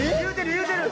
言うてる！